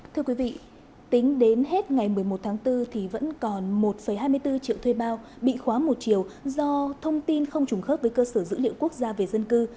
thưa quý vị tính đến hết ngày một mươi một tháng bốn thì vẫn còn một hai mươi bốn triệu thuê bao bị khóa một triệu do thông tin không trùng khớp với cơ sở dữ liệu quốc gia về dân cư